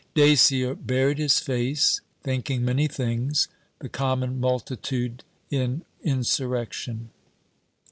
Dacier buried his face, thinking many things the common multitude in insurrection.